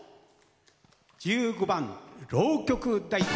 １５番「浪曲太鼓」。